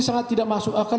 sangat tidak masuk akal